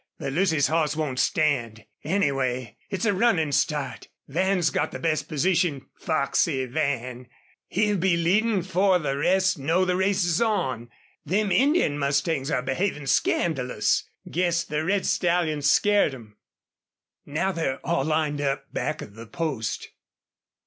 But Lucy's hoss won't stand. Anyway, it's a runnin' start.... Van's got the best position. Foxy Van! ... He'll be leadin' before the rest know the race's on.... Them Indian mustangs are behavin' scandalous. Guess the red stallion scared 'em. Now they're all lined up back of the post....